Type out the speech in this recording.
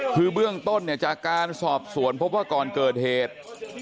คือเบื้องต้นเนี่ยจากการสอบสวนพบว่าก่อนเกิดเหตุ